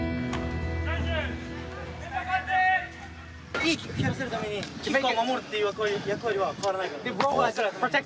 いいキック蹴らせるためにキッカーを守るっていう役割は変わらないから。